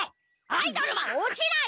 アイドルは落ちない！